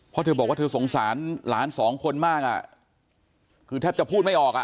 พอว่าเธอบอกเธอสงสารหลานสองคนมากอะถ้าจะพูดไม่ออกอะ